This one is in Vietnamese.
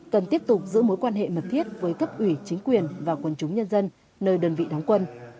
cần tiếp tục giữ mối quan hệ mật thiết với cấp ủy chính quyền và quân chúng nhân dân nơi đơn vị đóng quân